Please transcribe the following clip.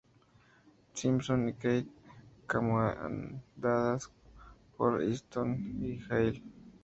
Simpson" y "Kate", comandadas por Easton y Hale.